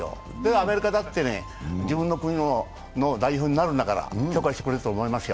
アメリカだって、自分の国の代表になるんだから許可してくれると思いますよ。